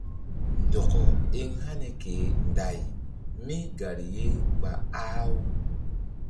Ndɔkɔ eŋ hani ke Nday mígari ye ɓa ah-u.